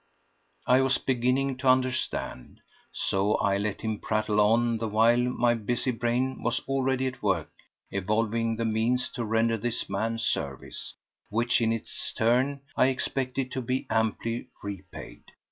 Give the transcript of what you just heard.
I was beginning to understand. So I let him prattle on the while my busy brain was already at work evolving the means to render this man service, which in its turn I expected to be amply repaid.